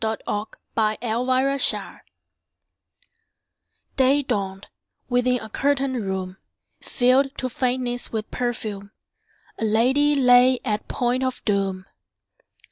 Y Z History of a Life DAY dawned: within a curtained room, Filled to faintness with perfume, A lady lay at point of doom.